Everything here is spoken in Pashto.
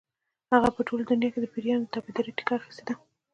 هغې په ټوله دنیا کې د پیریانو د تابعدارۍ ټیکه اخیستې ده.